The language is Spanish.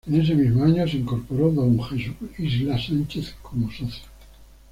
En ese mismo año se incorporó D. Jesús Isla Sánchez como socio.